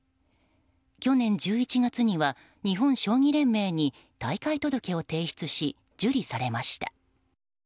去年１１月には、日本将棋連盟に退会届を提出し受理されました。